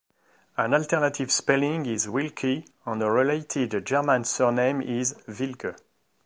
An alternative spelling is Wilkey, and a related German surname is Wilke.